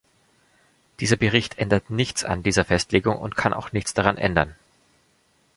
Dieser Bericht ändert nichts an dieser Festlegung und kann auch nichts daran ändern.